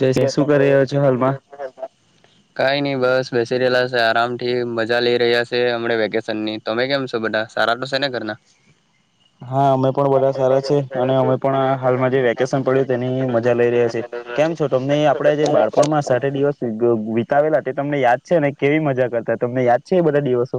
તે કે શું કરી રહ્યો શુ. છો હાલમાં? [unintelligible] કાઈ નઈ બસ બેસી રહેલા છે આરામ થી મજા લઇ રહ્યા છેમ વેકેશન ની તમે કેમ છો બધા સારા તો છે ને ઘરના. હા અમે પણ બધા સારા છે અને અમે પણ હાલમાં જે વેકેશન પડ્યું તેની મજા લઇ રહ્યા છીએ. કેમ છો તમને આપડે જે બાળપણ માં સાઠ દિવસ વિતાવેલા તે તમને યાદ છે અને કેવી મજા કરતા તમને યાદ છે એ બધા દિવસો.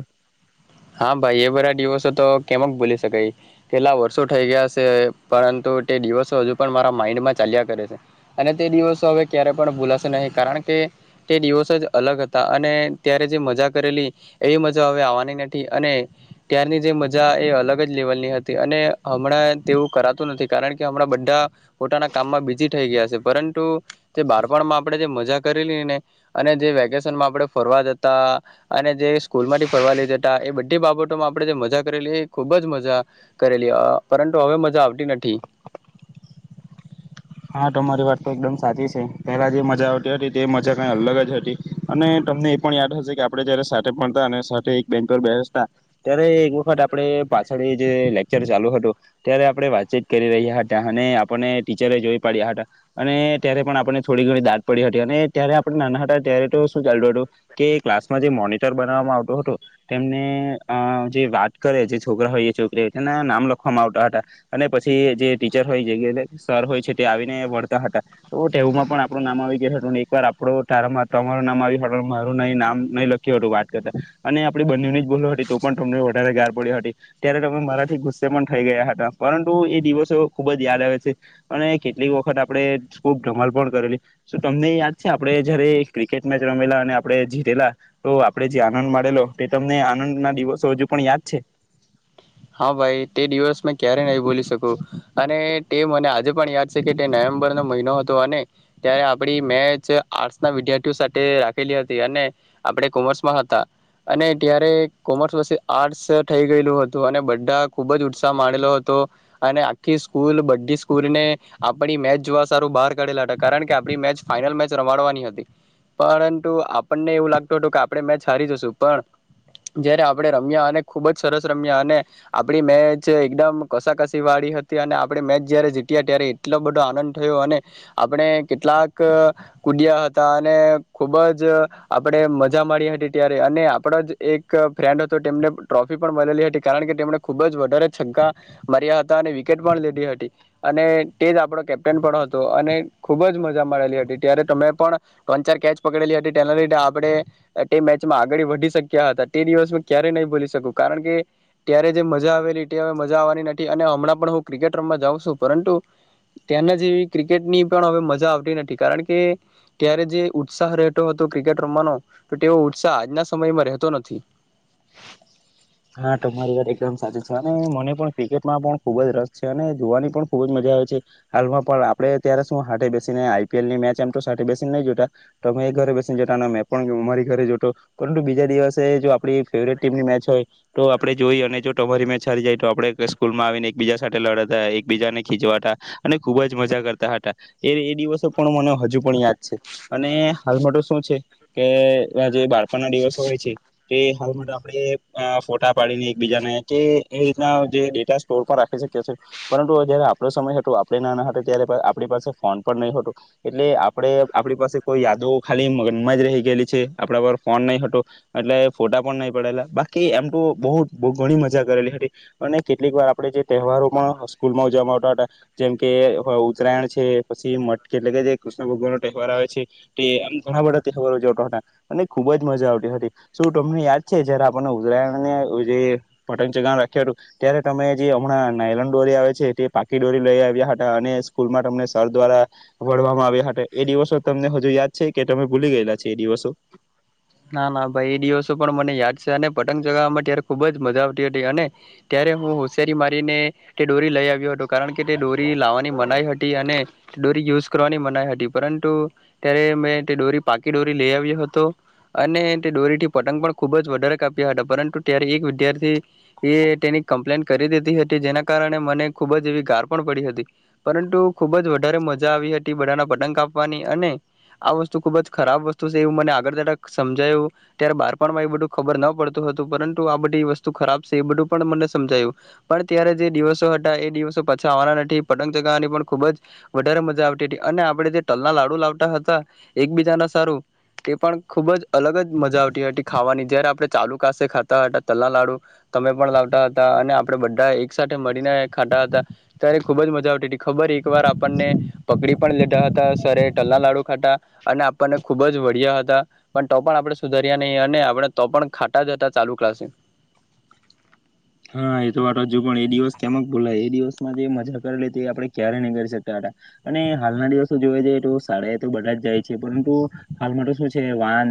હા ભાઈ એ બધરાા દિવસો તો કેમ જ ભૂલી શકાય કેટલા વર્ષો થઈ ગયા છે પરંતુ તે દિવસો હજુ પણ મારા માઈન્ડમાં ચાલ્યા કરે છે અને તે દિવસો હવે ક્યારે પણ ભૂલાશે નહી કારણ કે તે દિવસો જ અલગ હતા અને ત્યારે જે મજા કરેલી એવી મજા હવે આવવાનીને. અને ત્યારની જે મજા એ અલગ જ લેવલની હતી અને હમણાં તેવું કરાતું નથી કારણ કે હમણાં બધા પોતાના કામમાં બીજી થઈ ગયા છે પરંતુ તે બારપણમાં આપણે જે મજા કરેલી ને અને જે વેકેશનમાં આપણે ફરવા જતા અને જે સ્કૂલ માંથી ફરવા લઈ જતા. એ બધી બાબતોમાં આપણે જે મજા કરેલી એ ખુબ જ મજા કરેલી પરંતુ હવે મજા આવતી નથી. હા તમારી વાત તો એકદમ સાચી છે પહેલા જે મજા આવતી હતી તે મજા કઈ અલગ જ હતી અને તમને એ પણ યાદ હશે કે આપડણે જયારે સાથે મળતા અને સાથે એક બેંક પર બેસતા ત્યારે એક વખત આપણે પાછળ જે લેકચર ચાલુ હતું ત્યારે આપડણે વાતચીત કરી રહ્યા હતા અને આપણને ટીચરે જોઈ. અને ત્યારે પણ આપને થોડી ઘણી દાટ પડી હતી અને ત્યારે આપણે નાના હતા ત્યારે તો શું ચાલતું હતું કે ક્લાસમાં જે મોનીટર બનાવવામાં આવતોું હતો તેમને જે વાત કરે જે છોકરા હોય છોકરી હોય તેના નામ લખવામાં આવતા હતા અને પછી જે ટીચર હોય જે સર હોય છે. આવીને વળતા હતા તો તેવમાં પણ આપણું નામ આવી ગય હતું એક વાર આપડ તારામાં તમારું નામ આવ મારું નહી નામ નહીં લખ્યું હતું વાત કરતા અને આપડી બંનેની જ બોલ હતી તો પણ તમને વધારે ગાર પડી હતી ત્યારે તમે મરાઠ ગુસ્સે પણ થઈ ગયા હતા પરંતુ એ દિવસો ખુબ જ યાદ આવે છે અને. કેટલીક વખત આપણે ખૂબ ધમાલ પણ કરેલી શ તમને યાદ છે આપણે જયારે ક્રિકેટ મેચ રમેલા અને આપણે જીતેલા તો આપણે જે આનંદ માડેલો તે તમને આનંદ ના દિવસો હજુ પણ યાદ છે. હા ભાઈ તે દિવસ મેં ક્યારે ન. બોલી શકો અને તે મને આજે. પણ યાદ છે કે તે નવેમબર નનો મહિનો. ત્યારે આપડી મેચ આર્ટ ના વિદ્યાર્થીઓ સાથે રાખેલી હતી અને આપણે કોમર્સમાં હતા અને ત્યારે કોમર્સ પી આર્ટસ થઈ ગયેલું હતું. અને બધા ખુબ જ ઉત્સાહ માનેલો હતો અને આખી સ્કૂલ બધી સ્કૂલને આપણી મેચ જોવા સારું બહાર કાઢેલા હતા કારણ કે આપણી મેચ ફાઈનલ મેચ રમાડવાની હતી પરંતુ આપણને એવું લાગતું હતું કે આપણે મેચ હારી જશું પણ જયારે આપણે રમ્યા અને ખુબ જ સરસ. આપણી મેચ એકદમ કસાકસી વાળી હતી અને આપણે મેચ જયારે જીત્યા ત્યારે એટલો બધો આનંદ થયો અને આપણે કેટલાક કુદયા હતા અને ખુબ જ આપણે મજા માી હતી ત્યારે અને આપડો જ એક ફ્રેન્ડ હતો તેમને ટ્રોફી પણ. મળ હતી કારણ કે તેમણે ખુબ જ વધારે છક્કા માર્યા હતા અને વિકેટ પણ લીધી હતી અને તે જ આપણો કેપ્ટન પણ હતો અને ખૂબ જ મજા મળેલી હતી ત્યારે તમે પણ ત્રણ ચાર કેચ પકડેલી હતી તેના લીધે આપણે તે મેચમાં આગળ વધી શક્યા હતા તે દિવસ મે ક્યારેય નહી ભુલી શકું. કારણ કે ત્યારે જે મજા આવેલી તે હવે મજા આવવાની નથી. અને હમણાં પણ હું ક્રિકેટ રમવા જાઉં છું પરંતુ ત્યાંના જેવી ક્રિકેટની પણ હવે મજા આવતી નથી કારણ કે ત્યારે જે ઉત્સાહ રહેતો હતો ક્રિકેટ રમવાનો તો તેવો ઉત્સાહ આજના સમયમાં રહેતો નથી. હા તમારી વાત એકદમ સાચી છે. અને મને પણ ક્રિકેટમાં પણ ખુબ જ રસ છે અને જોવાની પણ ખુબ જ મજા આવે છે. હાલમાં પણ આપડે તત્યારે શું હા બેસીને આઈપીએલ ની મેચ એમ તો બેસીને નહી જોતા તમે એ ઘરે બેસીને જોતા મેં પણ અમારી ઘરે જોતો પરંતુ બીજા દિવસે જો આપ ફેવરેટ ટીમની મેચ હોય તો આપડે જોઈ અને જો તમારી મેચ હારી જાય તો આપડે સ્કૂલમાં આવીને એક બીજા સાથે લડાતા એકબીજાને ખીજવાતા હતા અને ખુબ જ મજા કરતા હતા એ એ દિવસો પણ મને હજુ પણ યાદ છે. અને હાલમાં શું છે કે જે બાળપણ ના દિવસો હોય છે તે હાલમાં આપણેે ફોટા પાડીને એકબીજા કે એ રીતના જે ડેટા સ્ટોર પર રાખી શકીએ છે. પરંતુ જયારે આપણો સમય હતો આપણે નાના હતો ત્યારે આપણી પાસે ફોન પણ નહી હતો એટલે આપણે આપણી પાસે કોઈ યાદો ખાલી મનમાં જ રહી ગયેલી છે. આપણા પર ફોન નહી હતો એટલે ફોટા પણ નહી પડેલા બાકી એમ બહુ બ ઘણી મજા કરેલી હતી. અને કેટલીક વાર આપણે જે તહેવારો પણ સ્કૂલમાં ઉજવામાં આવતા હતા, જેમકે ઉત્તરાયણ છે, પછી મઠ કેટલે કે જે કૃષ્ણ ભગવાન ન તહેવાર આવે છે, તે આમ ઘણા બધા તહેવારો ઉજવાતા હતા. અને ખુબ જ મજા આવતી હતી શું તમને યાદ છે જયારે આપણને ઉત્તરાયણ ને જે પતંગ ચગાવવાનુ‌ રાખ્યું હતું, ત્યારે તમે જે હમણાં નાયલોન દોરી આવે છે તે પાકી દોરી લઈ આવ્યા હતા અને સ્કૂલમાં તમને સર દ્વારા વઢવામાં આવ્યા હતા એ દિવસો તમને હજુ યાદ છે કે તમે ભૂલી ગયેલા છ એ દિવસો! ના ના ભાઈ એ દિવસો પણ મને યાદ છે. અને પતંગ ચગાવવામાં ત્યારે ખુબ જ મજા આવતી હતી, અને ત્યારે હું હોશિયારી મારીને તે ડોરી લઈ આવ્યો હતો. કારણ કે તે દોરી લાવવાની મનાઈ હતી અને દોરી યુઝ કરવાની મનાઈ હતી પરંતુ ત્યારે મેં તે દોરી પાકી દોરી લઈ આવ્યો હતો. અને તે દોરીથી પતંગ પણ ખૂબ જ વધારે કાપ્યા હતા. પરંતુ ત્યારે એક વિદ્યાર્થી એ તેની કમ્પ્લેન કરી દીધી હતી જેના કારણે મને ખૂબ જ એવી ગાર પણ પડી હતી. પરંતુ ખૂબ જ વધારે મજા આવી હતી બધાના પતંગ કાપવાની અને આ વસ્તુ ખૂબ જ ખરાબ વસ્તુ છે એવું મને આગળ જતા સમજાયું ત્યારે બાર પણમાં એ બધું ખબર ન પડતું હતું. પરંતુ આ બધી વસ્તુ ખરાબ છે એ બધું પણ મને સમજાયું પણ ત્યારે જે દિવસો હતા એ દિવસો પાછા આવવાના નથી પતંગ ચગાવવાની પણ ખુબ જ વધારે મજા આવતી હતી. અને આપણે જે તલના લાડુ લાવતા હતા એકબીજાના સારું તે પણ ખુબ જ અલગ જ મજા આવતી હતી ખાવાની જયારે આપણે ચાલુ કસે ખાતા હતા તલા લાડુ તમે પણ લાવતા હતા અને આપણે બધા એક સાથે મળીને ખાતા હતા ત્યારે ખુબ જ મજા આવતી હતી. ખબર એક વાર આપણને પકડી પણ લીધા હતા સરે તલલા લાડુ ખાતા અને આપણને ખુબ જ વઢિયા હતા. પણ તો પણ આપણે સુધર્યા નહી અને આપણે તો પણ ખાતા જતા ચાલુ ક્લાસે. હા એ તો વાતો હજુ પણ એ દિવસ કેમક ભુલાય. એ દિવસમાં જે મજા કરેલી તે આપણે ક્યારેય નહી કરી શકી અને હાલના દિવસો જોવા જઈએ તો શાળાએ તો બધા જ જાય છે. પરંતુ હાલમાં તો શું છે વાન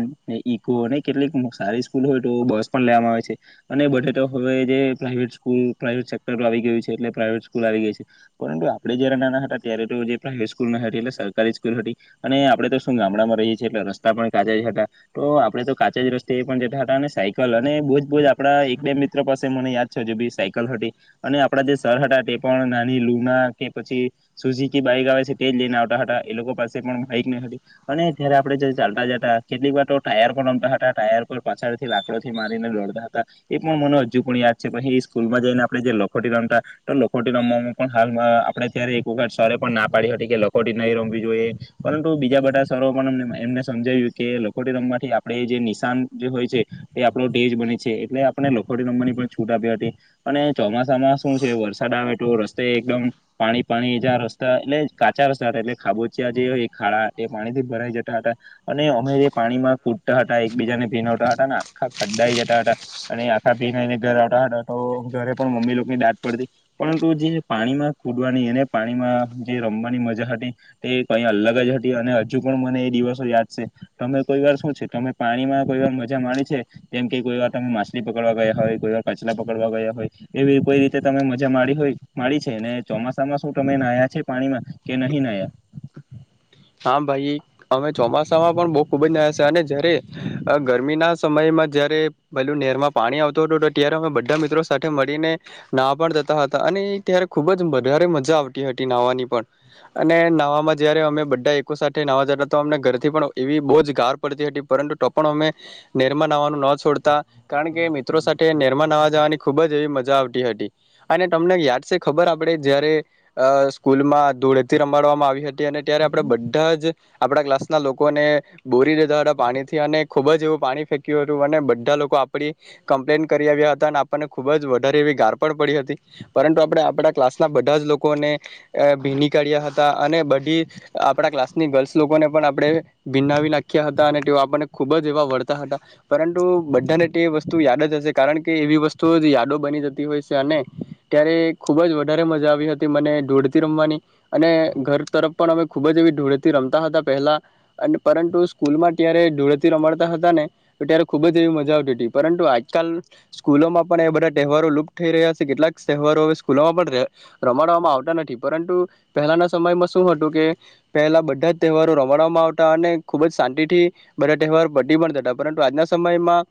ઈકો અને કેટલીક સારી સ્કૂલ હોય તો બસ પણ લેવામાં આવે છે અને બધે તો હવે પ્રાઇવેટ સ્કુલ ‌ પ્રાઇવેટ સેક્ટર આવી ગયું છે. એટલે પ્રાઈવેટ સ્કૂલ આવી ગઈ છે, પરંતુ આપણેે જયારે નાના હતા ત્યારે તો જે પ્રાઇવેટ સ્કૂલ હતી એટલે સરકારી સ્કૂલ હતી અને આપડે તો શું ગામડામાં રહીએ છીએ એટલે રસ્તા પણ કાચા જ હતા તો આપડે તો કાચા જ રસ્તે એ પણ જતા હતા. અને સાયકલ અને બહુજ બજ આપણા એક બે મિત્ર પાસે મને યાદ છે હજુ બી સાયકલ હતી. અને આપડા જે સર હતા તે પણ નાની લુના કે પછી સુઝુકી બાઈક આવે છે તેજ લઈને આવતા હતા. એ લોકો પાસે પણ બાઈક નહી હતી અને ત્યારે આપણે જે ચાલતા જતા કેટલીક વાર ટાયર પણ રમતા હતા ટાયર પર પાછળથી લાકડોથી મારીને લડતા હતા એ પણ મને હજુ પણ યાદ છે. પછી સ્કૂલમાં જઈને આપણે જે લખોટી રમતા તો લખોટી રમવામાં પણ હાલ આપડે ત્યારે એક વખત સર એ પણ ના પાડી હતી કે લખોટી નહીં રમવી જોઈએ પરંતુ બીજા બધા સરો પણ એમને સમજાવ્યું કે લખોટી રમવાથી આપણેે જે નિશાન જે હોય છે તે આપણો તેજ બને છે. એટલે આપણે થોની છૂટ આપી હતી અને ચોમાસામાં શું છે વરસાદ આવે તો રસ્તે એકદમ પાણી પાણી જ રસ્તા એટલે કાચા રસ્તા હતા એટલે ખાબોચિયા જે ખાડા એ પાણીથી ભરાઈ જતા હતા અને અમે જે પાણીમાં કૂટતા હતા એકબીજાને ભીનવતા હતા ને આખા ખડડાઈ જતા હતા અને પીને ઘર આવતા હતા તો ઘરે પણ મમ્મી લોકોની દાટ પડતી પરંતુ જે પાણીમાં કૂદવાની એને પાણીમાં જે રમવાની મજા હતી તે કઈ અલગ જ હતી. અને હજુ પણ મને એ દિવસો યાદ છે તમે કોઈ વાર શું છે તમે પાણીમાં કોઈ વાર મજા માણી છે જેમ કે કોઈ વાર તમે માછલી પક પકડવા ગયા હોય કોઈ વાર કચલા પકડવા ગયા હોય એવી કોઈ રીતે તમે મજા મા હોય મા છે ને ચોમાસામાં શું તમે નાયા છે પાણીમાં કે નહીં નાયા! હા ભાઈ અમે ચોમાસામાં પણ બહુ ખૂબ જ નાયા છે. અને જયારે ગરમીના સમયમાં જયારે પેલું નેરમાં પાણી આવતું હતું ત્યારે અમે બધા મિત્રો સાથે મળીને નાહવા પણ જતા હતા. અને ત્યારે ખૂબ જ વધારે મજા આવતી હતી નહવાની પણ, અને નહવામાંમાં જયારે અમે સાથે નવા જતા અમને ઘરથી પણ એવી બહુ જ ગાર પડતી હતી પરંતુ ટ પણ અમે નેરમા નાવાનું ન છોડતા. કારણ કે મિત્રો સાથે નેરમા નવા જવાની ખુબ જ એવી મજા આવતી હતી અને તમને યાદ છે ખબર આપડે જયારે સ્કૂલમાં ધુળેટી રમાડવામાં આવી!? હતી અને ત્યારે આપડા બધા જ આપણા ક્લાસના લોકોને બોરી દીધા હતા પાણીથી અને ખૂબ જ એવું પાણી ફેંક્યું હતું. અને બધા લોકો આપડી કમ્પ્લેન કરી આવ્યા હતા અને આપણને ખૂબ જ વધારે એવી ગાર પણ પડી હતી. પરંતુ આપણે આપણા ક્લાસના બધા જ લોકોને ભીની કાઢ્યા હતા અને બધી આપણા ક્લાસ ની ગર્લ્સ લોકોને પણ આપણે બીનાવી નાખ્યા હતા. તા અને તેઓ આપણને ખુબ જ એવા વઢતા હતા. પરંતુ બધાને તે વસ્તુ યાદ જ હશે કારણ કે એવી વસ્તુ જ યાદો બની જતી હોય છે. અને ત્યારે ખુબ જ વધારે મજા આવી હતી મને ધુળેટી રમવાની અને ઘર તરફ પણ અમે ખૂબ જ એવી ધૂળેટી રમતા હતા પહેલાં અને પરંતુ સ્કૂલમાં ત્યારે ધૂળેટી રમાડતા હતા ને તો ત્યારે ખૂબ જ એવી મજા આવતી હતી પરંતુ આજકાલ સ્કૂલોમાં પણ એ બધા તહેવારો લુપ્ત થઈ રહ્યા છે. કેટલાક તહેવારો હવે સ્કૂલોમાં પણ રમાડવામાં આવતા નથી પરંતુ પહેલાંના સમયમાં શું હતું કે પહેલા બધા જ તહેવારો રમાડવામાં આવતા. અને ખુબ જ શાંતિ થી બધા તહેવાર પતી પણ જતા. પરંતુ આજના સમયમાં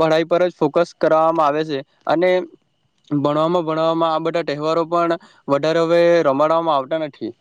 પઢાઈ પર જ ફોકસ કરવામાં આવે છે, અને ભણવામાં ભણવામાં આ બધા તહેવારો પણ વધારે હવે રમાડવામાં આવતા નથી.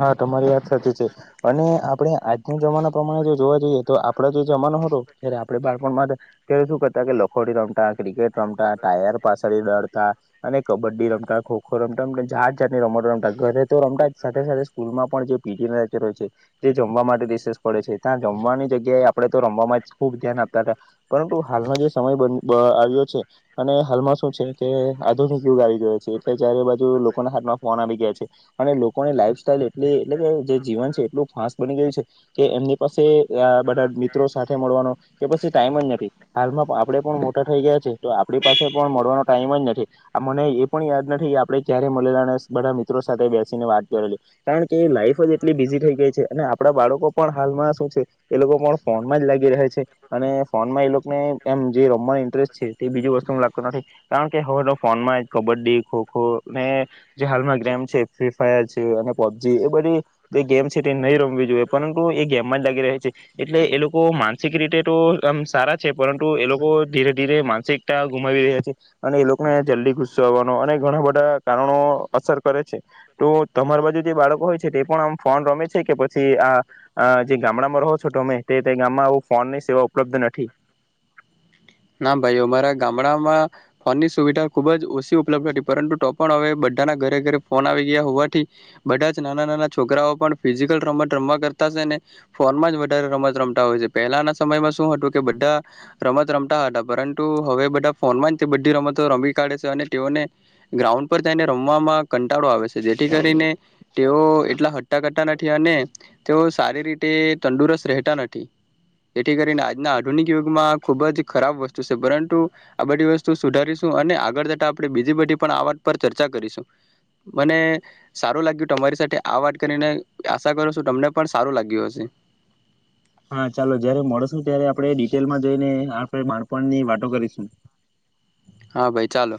હા તમારી વાત સાચી છે. અને આપણે આજના જમાના પ્રમાણે જો જોવા જઈએ તો આપડા જે જમાનો હતો જ્યારે આપણે બાળપણ માટે ત્યારે શું કરતા કે લખોડી રમતા ક્રિકેટ રમતા, ટાયર પાછસળી દડતા અને કબડ્ડી રમતા, ખોખો રમતા જાત જાતની રમતો રમતા. ઘરે તો રમતા સાથે સાથે મા પણ જે પીજે રહે છે [unintelligible] તે જમવા માટે રિસ પડે છે ત્યાં જમવાની જગ્યાએ આપણે તો રમવામાં જ ખૂબ ધ્યાન આપ તા તા પરંતુ હાલનો જે સમય બ આવ્યો છે, અને હાલમાં શું છે કે આધુનિક યુગ આવી ગયો છે એટલે જયારે બાજુ લોકોના હાથમાં ફોન આવી ગયા છે. અને લોકોને લાઈફ તલે એટ એટલે કે જે જીવન છે એટલું ફાસ્ટ બની ગયું છે કે એમને પાસે આ બધા મિત્રો સાથે મળવાનો કે પછી ટાઈમ જ નથ. હાલમાં આપણે પણ મોટા થઇ ગયા છે તો આપણી પાસે પણ મળવાનો ટાઈમ જ નથી આ મને એ પણ યાદ નથી કે આપડે ક્યારે મળેલા અને બધા મિત્રો સાથે બેસીને વાત કરેલી. કારણ કે લાઈફ જ એટલી બિઝી થઈ ગઈ છે. અને આપણા બાળકો પણ હાલમાં શું છે એ લોકો પણ ફોનમાં જ લાગી રહે છે. અને ફોનમાં એ લોકોને એમ જે રમવાની ઇન્ટરેસ્ટ છે તે બીજી વસ્તુ લાગતું નથી. કારણ કે હવે તો ફોનમાં જ કબડ્ડી ખોખો અને જે હાલમાં ગેમ છે ફ્રી ફાયર છે અને પબજી એ બધી જે ગેમ છે તે નહીં રમવી જોઈએ પરંતુ એ ગેમમાં જ લાગી રહે છે એટલે એ લોકો માનસિક રીતે તો આમ સારા છે પરંતુ એ લોકો ધીરે ધીરે માનસિકતા ગુમાવી રહ્યા છે. અને એ લોકોને જલ્દી ગુસવાનો અને ઘણા બધા કારણો અસર કરે છે તો તમારી બાજુ જે બાળકો હોય છે તે પણ આમ ફોન રમે છે કે પછી આ જે ગામડામાં રહો છો તમે તે ગામમાં આવ ફોનની સેવા ઉપલબ્ધ નથી. ના ભાઈ અમારા ગામડામાં ફોનની સુવિધા ખુબ જ ઓછી ઉપલબ્ધ હતી પરંતુ તો પણ હવે બધાના ઘરે ઘરે ફોન આવી ગયા હોવાથી બધા જ નાના નાના છોકરાઓ પણ ફિઝિકલ રમત રમવા કરતા છે ને ફોનમાં જ વધારે રમત રમતા હોય છે. પહેલાના સમયમાં શું હતું કે બધા રમત ર તા હતા પરંતુ હવે બધા ફોનમાં બધી રમતો રમી કાઢે છે અને તેઓને ગ્રાઉન્ડ પર જઈને રમવામાં કંટાળો આવે છે. જેથી કરીને તેઓ એટલા હટ્ટા કરતા નથી અને તેઓ સારી રીતે તંદુરસ્ત રહેતા નથી તેથી કરીને આજના આધુનિક યુગમાં ખુબ જ ખરાબ વસ્તુ છે. પરંતુ આ બધી વસ્તુ સુધારીશું અને આગળ જતાં આપણે બીજી બધી પણ આ વાત પર ચર્ચા કરીશું મને સારું લાગ્યું તમારી સાથે આ વાત કરીને આશા કરો છું તમને પણ સારું લાગ્યું હશે. હા ચાલો જયારે મળશું ત્યારે આપણે ડિટેલમાં જઈને આપણે બાળપણની વાતો કરીશું. હા ભાઈ ચાલો.